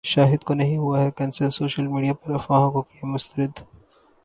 شاہد کونہیں ہوا ہے کینسر، سوشل میڈیا پرافواہوں کو کیا مسترد